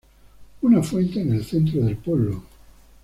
Una fuente en el centro del pueblo.